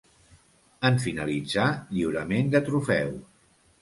En finalitzar, lliurament de trofeus.